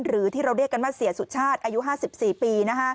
หรือที่เราเรียกกันว่าเสียสุชาติอายุ๕๔ปี